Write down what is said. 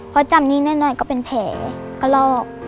เพราะจำนิดหน่อยก็เป็นแผลกลอก